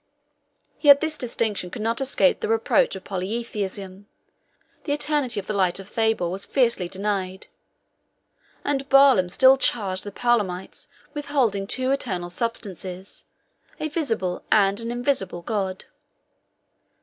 Yet this distinction could not escape the reproach of polytheism; the eternity of the light of Thabor was fiercely denied; and Barlaam still charged the Palamites with holding two eternal substances, a visible and an invisible God.